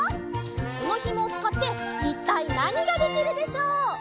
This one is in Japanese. このひもをつかっていったいなにができるでしょう？